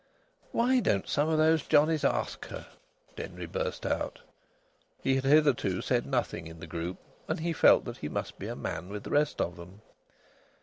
"Why don't some of those johnnies ask her?" Denry burst out. He had hitherto said nothing in the group, and he felt that he must be a man with the rest of them.